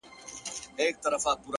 سپينه خولگۍ راپسي مه ږغوه،